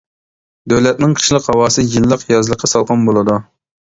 دۆلەتنىڭ قىشلىق ھاۋاسى يىللىق يازلىقى سالقىن بولىدۇ.